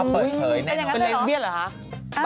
เป็นเลองเบี้ยหรือครับ